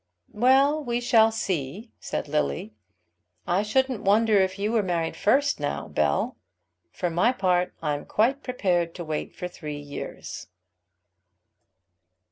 "Well, we shall see," said Lily. "I shouldn't wonder if you were married first now, Bell. For my part I'm quite prepared to wait for three years."